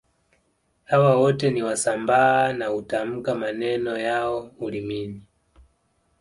Hawa wote ni Wasambaa na hutamka maneno yao ulimini